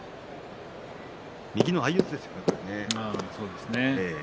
右の相四つですね。